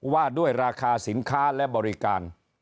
ว่าด้วยราคาสินค้าและบริการ